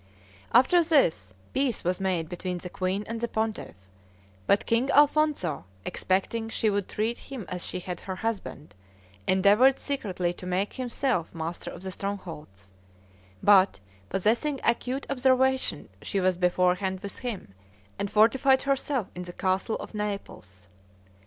After this, peace was made between the queen and the pontiff; but King Alfonzo, expecting she would treat him as she had her husband, endeavored secretly to make himself master of the strongholds; but, possessing acute observation, she was beforehand with him, and fortified herself in the castle of Naples.